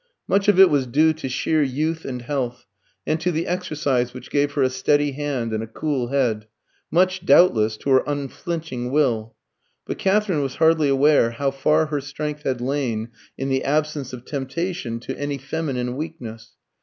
Much of it was due to sheer youth and health, and to the exercise which gave her a steady hand and a cool head much, doubtless, to her unflinching will; but Katherine was hardly aware how far her strength had lain in the absence of temptation to any feminine weakness.